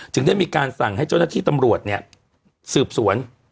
ได้มีการสั่งให้เจ้าหน้าที่ตำรวจเนี่ยสืบสวน